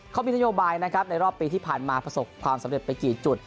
เขามีนโยบายนะครับในรอบปีที่ผ่านมาประสบความสำเร็จไปกี่จุด